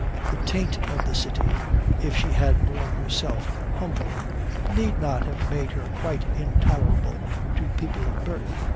The taint of the city, if she had borne herself humbly, need not have made her quite intolerable to people of birth.